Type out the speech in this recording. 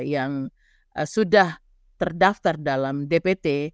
yang sudah terdaftar dalam dpt